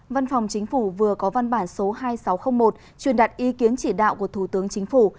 văn phòng chính phủ vừa có văn bản số hai nghìn sáu trăm linh một truyền đặt ý kiến chỉ đạo của thủ tướng chính phủ